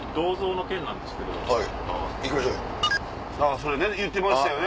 それ言ってましたよね